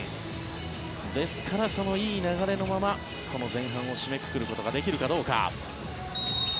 ですからそのいい流れのまま前半を締めくくることができるかどうか。